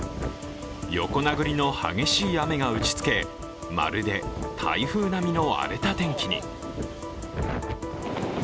横殴りの激しい雨が打ちつけ、まるで台風波の荒れた天気に。